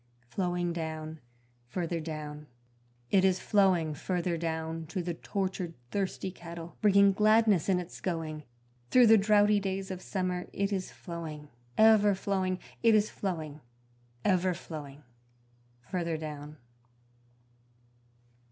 Flowing down, further down; It is flowing further down To the tortured thirsty cattle, bringing gladness in its going; Through the droughty days of summer it is flowing, ever flowing It is flowing, ever flowing, further down.